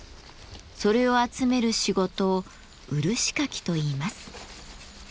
それを集める仕事を漆かきといいます。